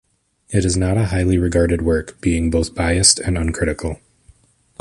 It is not a highly regarded work, being both biased and uncritical.